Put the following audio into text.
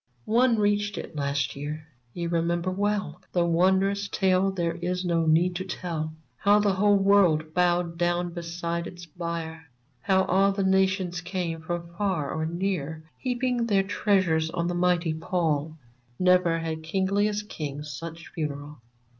One reached it last year. Ye remember well —■ The wondrous tale there is no need to tell — How the whole world bowed down beside its bier ; How all the Nations came, from far or near, Heaping their treasures on its mighty pall — Never had kingliest king such funeral